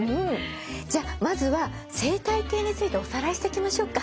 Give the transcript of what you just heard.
じゃあまずは生態系についておさらいしていきましょうか。